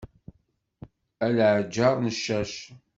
A leɛǧer n ccac.